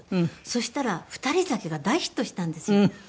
そしたら『ふたり酒』が大ヒットしたんですよ。